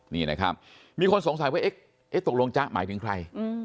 นี่นะครับมีคนสงสัยว่าเอ๊ะตกลงจ๊ะหมายถึงใคร